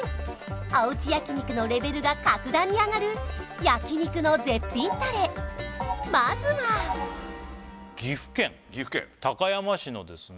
おうち焼肉のレベルが格段に上がる焼肉の絶品タレまずは岐阜県高山市のですね